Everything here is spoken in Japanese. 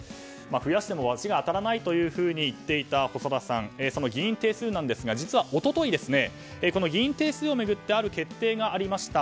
増やしても罰が当たらないと言っていた細田さん、議員定数ですが実は一昨日、議員定数を巡るある決定がありました。